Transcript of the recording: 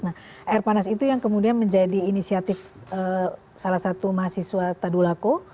nah air panas itu yang kemudian menjadi inisiatif salah satu mahasiswa tadulako